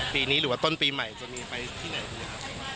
ปีนี้หรือว่าต้นปีใหม่จะมีไปที่ไหนดีครับ